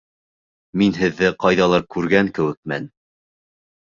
Мин һеҙҙе ҡайҙалыр күргән кеүекмен.